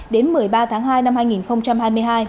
đến một mươi ba tháng hai năm hai nghìn hai mươi hai